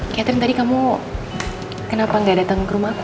catherine tadi kamu kenapa gak datang ke rumahku